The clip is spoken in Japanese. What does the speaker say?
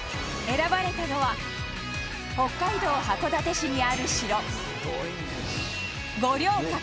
選ばれたのは北海道函館市にある城